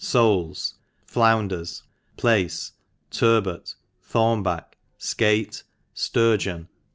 Soles Flounders Plaice Turbot Thornback Skate Sturgeon MEAT.